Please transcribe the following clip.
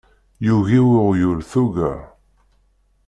Yugi weɣyul tuga.